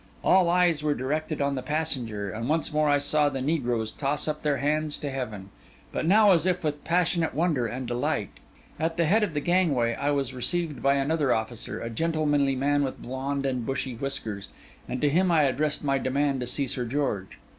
All eyes were directed on the passenger; and once more I saw the negroes toss up their hands to heaven, but now as if with passionate wonder and delight. At the head of the gangway, I was received by another officer, a gentlemanly man with blond and bushy whiskers; and to him I addressed my demand to see Sir George.